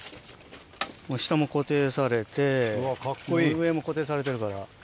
下も固定されて上も固定されてるから。